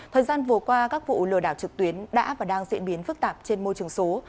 thời gian vừa qua các vụ lừa đảo trực tuyến đã và đang diễn biến phức tạp trên môi trường số